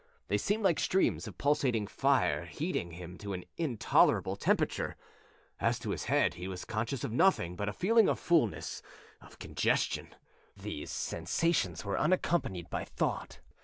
They seemed like streams of pulsating fire heating him to an intolerable temperature. As to his head, he was conscious of nothing but a feeling of fulness of congestion. These sensations were unaccompanied by thought.